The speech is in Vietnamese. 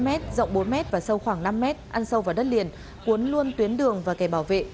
năm m rộng bốn m và sâu khoảng năm m ăn sâu vào đất liền cuốn luôn tuyến đường và kẻ bảo vệ